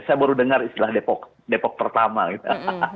saya baru dengar istilah depok pertama gitu